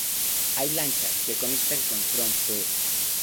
Hay lanchas que conectan con Tromsø.